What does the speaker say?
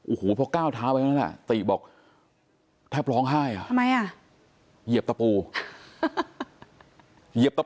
อูหูพอก้าวเท้าไปคนนั้นน่ะติบอกแทบร้องไห้อะทำไมอ่ะ